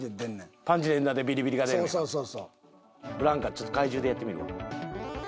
ちょっと怪獣でやってみるわ。